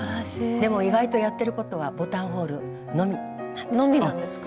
でも意外とやってることはボタンホールのみ。のみなんですか？